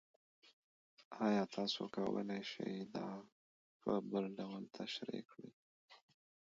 ایا تاسو کولی شئ دا په بل ډول تشریح کړئ؟